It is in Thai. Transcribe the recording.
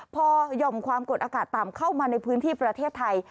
พอหย่อมความกดอากาศต่ำเข้ามาในพื้นที่ประเทศไทย